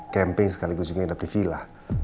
camping sekaligus juga hidup di villa